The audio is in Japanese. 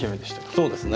そうですね。